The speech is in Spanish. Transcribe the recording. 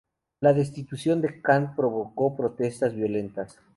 La destitución de Khan provocó protestas violentas.